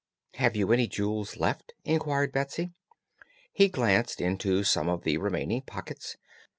"Have you any jewels left?" inquired Betsy. He glanced into some of the remaining pockets.